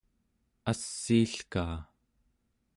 assiilkaa